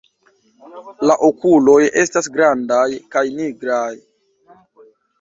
La okuloj estas grandaj kaj nigraj.